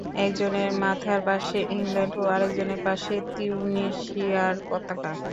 একজনের মাথার পাশে ইংল্যান্ড ও আরেকজনের পাশে তিউনিসিয়ার পতাকা।